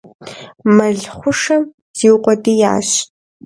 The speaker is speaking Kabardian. Мэл хъушэм зиукъуэдиящ.